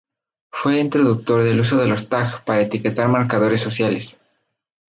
Fue introductor del uso de los tags para etiquetar marcadores sociales.